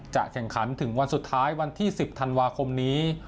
แข่งขันถึงวันสุดท้ายวันที่๑๐ธันวาคมนี้